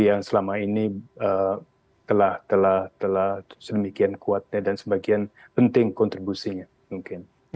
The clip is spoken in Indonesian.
yang selama ini telah sedemikian kuatnya dan sebagian penting kontribusinya mungkin